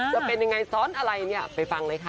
จะเป็นยังไงซ้อนอะไรเนี่ยไปฟังเลยค่ะ